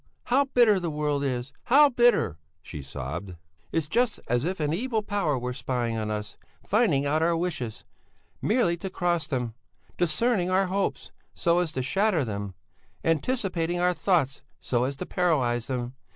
How bitter the world is, how bitter!" she sobbed. "It's just as if an evil power were spying on us, finding out our wishes, merely to cross them; discerning our hopes, so as to shatter them; anticipating our thoughts so as to paralyse them.